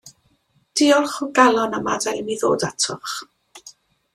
Diolch o galon am adael i mi ddod atoch.